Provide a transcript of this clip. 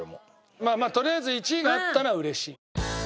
まあまあとりあえず１位があったのは嬉しい。